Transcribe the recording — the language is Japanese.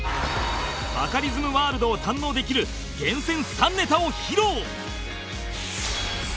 バカリズムワールドを堪能できる厳選３ネタを披露